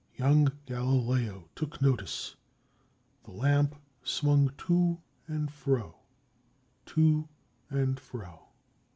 Young Galileo took notice. The lamp swung to and fro, to and fro.